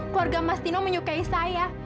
keluarga mas dino menyukai saya